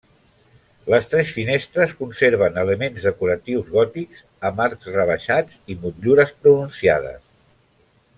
Les tres finestres conserven elements decoratius gòtics amb arcs rebaixats i motllures pronunciades.